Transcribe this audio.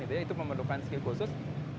itu ya itu memerlukan skill khusus